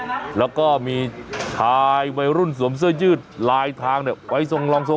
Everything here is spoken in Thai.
แล้วก็มีชายวัยรุ่นสวมเสื้อยืดลายทางเนี่ยไว้ทรงรองทรง